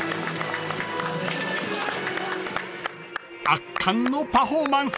［圧巻のパフォーマンスでした］